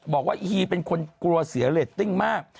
อีฮีเป็นคนกลัวเสียเรตติ้งมาก